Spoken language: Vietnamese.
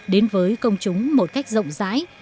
đến với công chúng một cách rộng rãi